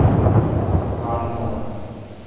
گاݨڈ بھو ۔